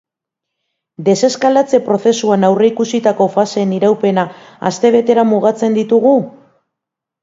Deseskalatze prozesuan aurreikusitako faseen iraupena astebetera mugatzen ditugu?